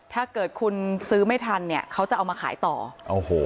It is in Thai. ถ้าเกิดคุณซื้อไม่ทันเนี่ยเขาจะเอามาขายต่อโอ้โห